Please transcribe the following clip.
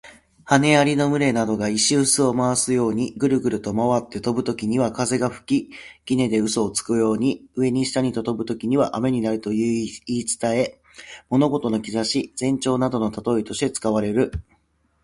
羽蟻の群れなどが石臼を回すようにぐるぐると回って飛ぶときには風が吹き、杵で臼をつくように、上に下にと飛ぶときには雨になるという言い伝え。物事の兆し、前兆などの例えとして使われる。